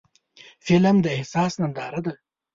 فلم د احساس ننداره ده